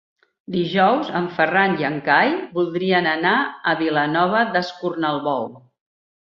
Dijous en Ferran i en Cai voldrien anar a Vilanova d'Escornalbou.